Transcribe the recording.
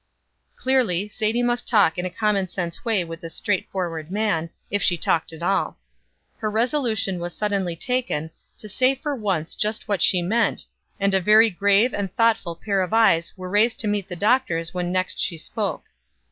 Clearly, Sadie must talk in a common sense way with this straightforward man, if she talked at all. Her resolution was suddenly taken, to say for once just what she meant; and a very grave and thoughtful pair of eyes were raised to meet the doctor's when next she spoke.